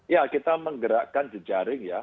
ya kita menggerakkan jejaring ya